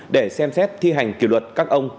để xem xét thi hành kiểu luật các ông